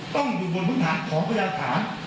ต้องอยู่บนพื้นฐานของพยานฐาน